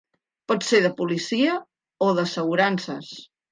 Pot ser de policia o d'assegurances.